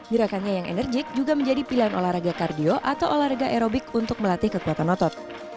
gerakannya yang enerjik juga menjadi pilihan olahraga kardio atau olahraga aerobik untuk melatih kekuatan otot